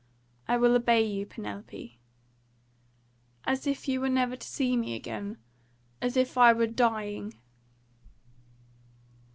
"I will obey you, Penelope." "As if you were never to see me again? As if I were dying?"